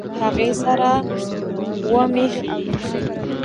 هغې سره اووه مېښې دي